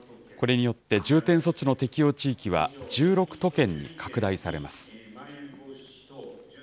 これによって、重点措置の適用地域は１６都県に拡大されます。